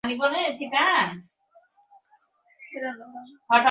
তিনি প্রথম টেস্টের দায়িত্ব পালনকারী অধিনায়ক ওয়েন ডানেলের স্থলাভিষিক্ত হন।